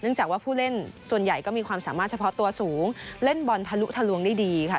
จากว่าผู้เล่นส่วนใหญ่ก็มีความสามารถเฉพาะตัวสูงเล่นบอลทะลุทะลวงได้ดีค่ะ